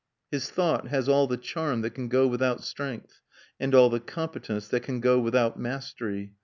His thought has all the charm that can go without strength and all the competence that can go without mastery.